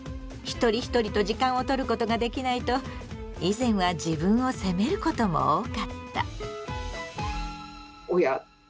一人一人と時間を取ることができないと以前は自分を責めることも多かった。